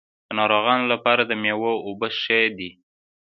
د ناروغانو لپاره د میوو اوبه ښې دي.